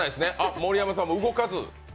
盛山さんも動かず。